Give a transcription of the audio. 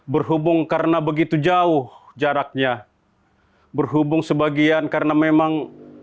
berhubung karena begitu jauh jaraknya berhubung sebagian karena memang